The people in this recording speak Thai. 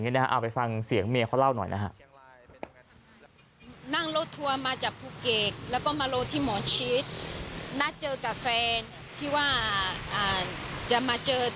เอาไปฟังเสียงเมียเขาเล่าหน่อยนะฮะ